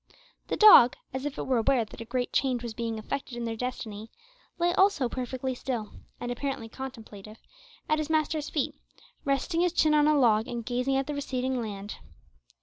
The dog, as if it were aware that a great change was being effected in their destiny, lay also perfectly still and apparently contemplative at his master's feet; resting his chin on a log and gazing at the receding land.